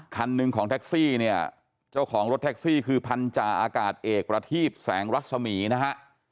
คันหนึ่งของแท็กซี่เนี่ยเจ้าของรถแท็กซี่คือพันธาอากาศเอกประทีบแสงรัศมีนะฮะ